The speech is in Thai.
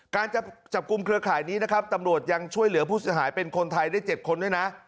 การจับกลุ่มเครือข่ายนี้นะครับตำรวจยังช่วยเหลือผู้เสียหายเป็นคนไทยได้๗คนด้วยนะ